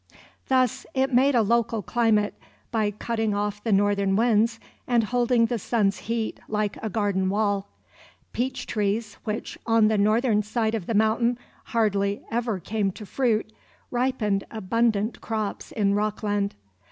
Thus, it made a local climate by cutting off the northern winds and holding the sun's heat like a garden wall. Peachtrees, which, on the northern side of the mountain, hardly ever came to fruit, ripened abundant crops in Rockland.